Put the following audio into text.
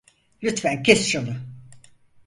Lütfen kes şunu.